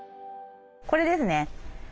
これですね。